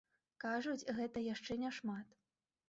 Кажуць, гэта яшчэ не шмат.